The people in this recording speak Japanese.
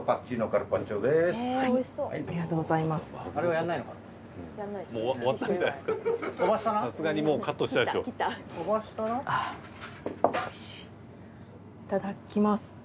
いただきます。